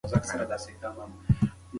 رښتیا د تبلیغ خلاف دي.